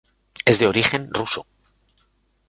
Es de origen ruso.